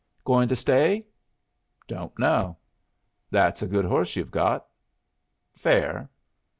"Goin' to stay?" "Don't know." "That's a good horse you've got." "Fair."